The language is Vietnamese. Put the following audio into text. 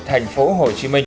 thành phố hồ chí minh